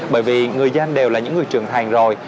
bởi vì người dân đều là những người trưởng thành rồi